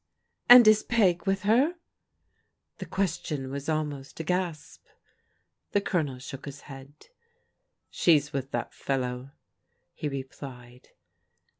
"And is Peg with her? " The question was almost a gasp. The Colonel shook his head "She's with that fel low," he replied.